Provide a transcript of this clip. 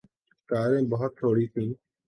کاریں بہت تھوڑی تھیں۔